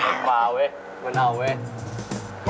เออมาเว้ยมันเอาเว้ย